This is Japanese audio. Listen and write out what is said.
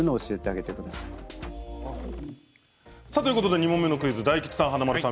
２問目のクイズ大吉さん、華丸さん